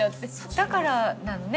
だからなのね